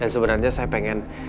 sebenarnya saya pengen